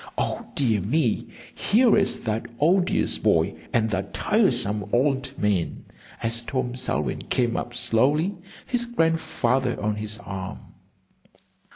"O dear me, here is that odious boy and that tiresome old man!" as Tom Selwyn came up slowly, his Grandfather on his arm.